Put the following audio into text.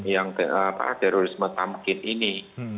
yang terorisme tamkin ini